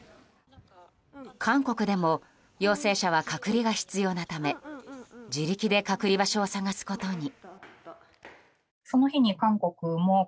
韓国でも陽性者は隔離が必要なため自力で隔離場所を探すことに。